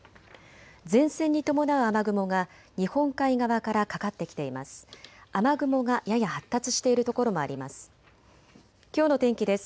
前線に伴う雨雲が日本海側からかかってきています。